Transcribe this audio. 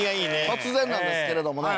突然なんですけれどもね